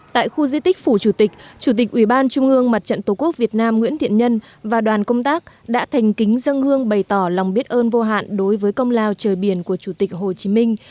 tại khu di tích phủ chủ tịch chủ tịch ủy ban trung ương mặt trận tổ quốc việt nam nguyễn thiện nhân và đoàn công tác đã thành kính dân hương bày tỏ lòng biết ơn vô hạn đối với công lao trời biển của chủ tịch hồ chí minh